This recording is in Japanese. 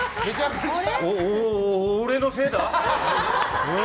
俺のせいだ、うん。